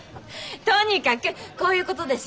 とにかくこういうことですよね？